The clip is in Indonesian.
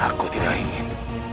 aku tidak ingin